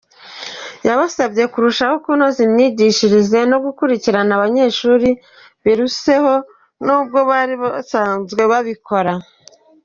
Yabasabye kurushaho kunoza imyigishirize, no gukurikirana abanyeshuri biruseho n’ubwo bari basanzwe babikora.